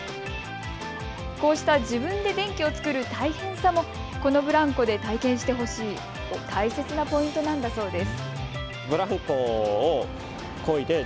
こうした自分で電気を作る大変さもこのブランコで体験してほしい、大切なポイントなんだそうです。